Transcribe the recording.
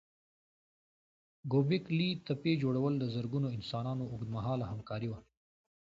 ګوبک لي تپې جوړول د زرګونو انسانانو اوږد مهاله همکاري وه.